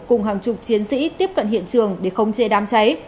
cùng hàng chục chiến sĩ tiếp cận hiện trường để không chê đám cháy